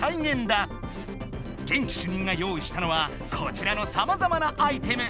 元気主任が用意したのはこちらのさまざまなアイテム。